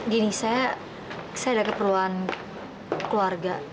gini saya ada keperluan keluarga